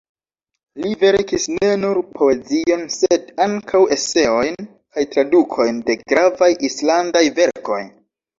Li verkis ne nur poezion sed ankaŭ eseojn kaj tradukojn de gravaj islandaj verkoj.